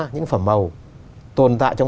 những cái phẩm màu